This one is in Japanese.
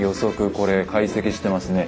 これ解析してますね。